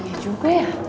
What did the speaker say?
iya juga ya